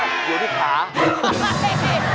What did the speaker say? อยู่ที่ขา